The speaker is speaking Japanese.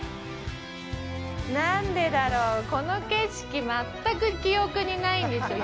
何でだろう、この景色まったく記憶にないんですよ。